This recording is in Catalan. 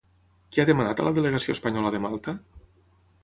Què ha demanat a la delegació espanyola de Malta?